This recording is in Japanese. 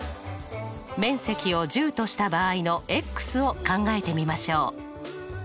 面積を１０とした場合のを考えてみましょう。